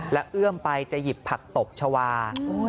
และเอื้อมไปจะหยิบผักตบชาวา